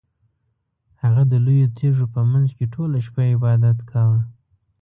هغه د لویو تیږو په مینځ کې ټوله شپه عبادت کاوه.